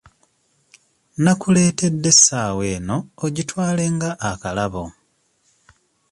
Nkuleetedde essaawa eno ogitwale nga akalabo.